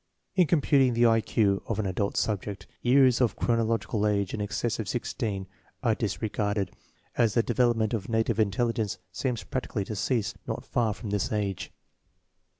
In computing the I Q of an adult subject, years of chronological age in excess of sixteen are disre garded, as the development of native intelligence seems practically to cease not far from this age.